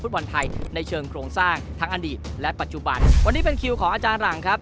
วันนี้เป็นคิวของอาจารย์หลังครับ